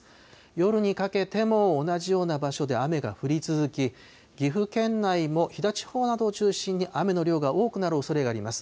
夜にかけても同じような場所で雨が降り続き、岐阜県内も飛騨地方などを中心に雨の量が多くなるおそれがあります。